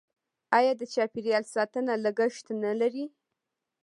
آیا د چاپیریال ساتنه لګښت نلري؟